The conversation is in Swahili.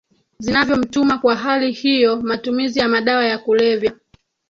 zinavyomtuma Kwa hali hiyo matumizi ya madawa ya kulevya